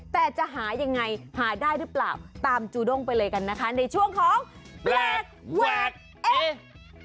แต่จะหายังไงหาได้หรือเปล่าตามจูด้งไปเลยกันนะคะในช่วงของแปลกแหวกเอ